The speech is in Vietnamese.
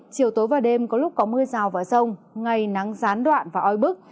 chiều tối và đêm có lúc có mưa rào vào sông ngày nắng rán đoạn và oi bức